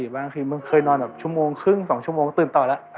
บางทีมันเคยนอนแบบชั่วโมงครึ่ง๒ชั่วโมงก็ตื่นต่อแล้ว